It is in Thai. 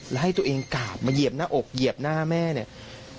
แล้วให้ตัวเองกราบมาเหยียบหน้าอกเหยียบหน้าแม่เนี่ย